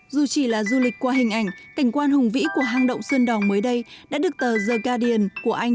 dù chỉ là du lịch qua hình ảnh cảnh quan hùng vĩ của hàng động sơn đòn mới đây đã được tờ the guardian của anh